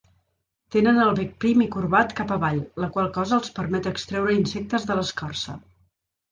Tenen el bec prim i corbat cap avall, la qual cosa els permet extreure insectes de l'escorça.